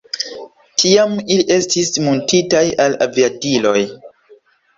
Tiam ili estis muntitaj al aviadiloj.